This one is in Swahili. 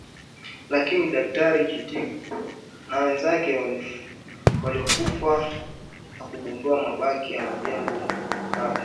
lakini Daktari Chittick na wenzake walifukua na kugundua mabaki ya majengo ya kale